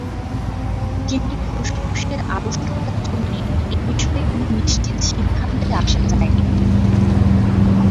কিন্তু ফুসফুসের আড়ষ্টতার জন্যে এ বিষয়ে কোনো নিশ্চিত সিদ্ধান্তে আসা যায়নি।